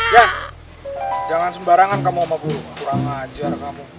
yah jangan sembarangan kamu sama guru kurang ajar kamu